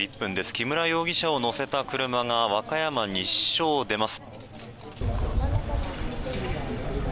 木村容疑者を乗せた車が和歌山西署を出ます。